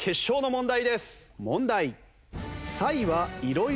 問題。